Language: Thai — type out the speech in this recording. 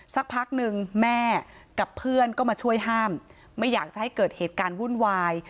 สักพักนึงแม่กับเพื่อนก็มาช่วยห้ามไม่อยากจะให้เกิดเหตุการณ์วุ่นวาย